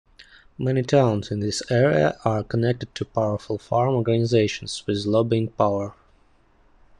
Many towns in this area are connected to powerful farm organizations with lobbying power.